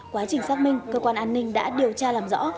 quá trình xác minh cơ quan an ninh đã điều tra làm rõ